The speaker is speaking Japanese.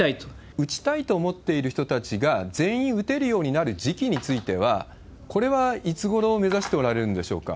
打ちたいと思っている人たちが全員打てるようになる時期については、これはいつごろを目指しておられるんでしょうか？